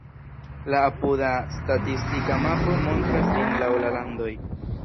La apuda statistika mapo montras ĝin laŭ la landoj.